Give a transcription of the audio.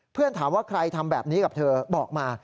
ถามว่าใครทำแบบนี้กับเธอบอกมา